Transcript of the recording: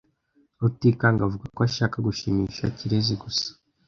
Rutikanga avuga ko ashaka gushimisha Kirezi gusa.